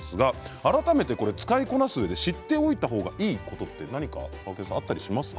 改めて使いこなすうえで知っておいた方がいいことはありますか？